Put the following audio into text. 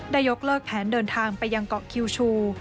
ยกเลิกแผนเดินทางไปยังเกาะคิวชู